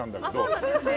そうなんですね。